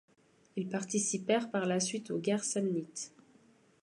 Ils participèrent par la suite aux guerres samnites.